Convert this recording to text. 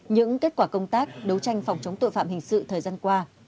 những kết quả công tác đấu tranh phòng chống tội phạm hình sự thời gian qua